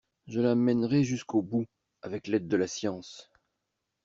Je la mènerai jusqu'au bout avec l'aide de la science.